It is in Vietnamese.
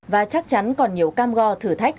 và chắc chắn còn nhiều cam go thử thách